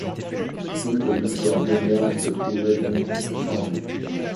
Toute l’histoire moderne se trouvait donc changée.